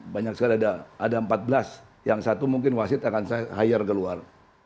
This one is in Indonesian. banyak sekali ada empat belas yang satu mungkin wasit akan saya hire keluar